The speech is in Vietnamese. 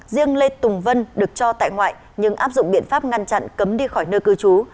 riêng lê tùng vân được cho tại ngoại nhưng áp dụng biện pháp ngăn chặn cấm đi khỏi nơi cư trú